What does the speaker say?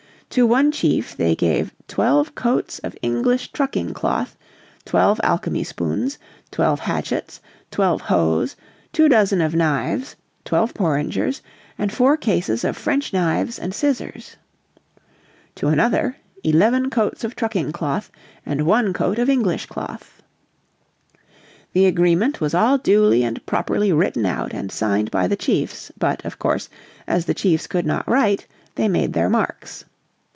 To one chief they gave "twelve coats of English trucking cloth, twelve alchemy spoons, twelve hatchets, twelve hoes, two dozen of knives, twelve porringers, and four cases of French knives and scissors." To another, "eleven coats of trucking cloth, and one coat of English cloth." The agreement was all duly and properly written out and signed by the chiefs, but, of course, as the chiefs could not write they made their marks.